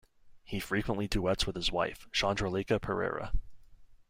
He frequently duets with his wife Chandralekha Perera.